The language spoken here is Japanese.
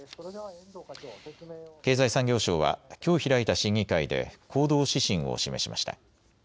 経済産業省はきょう開いた審議会で行動指針を示しました。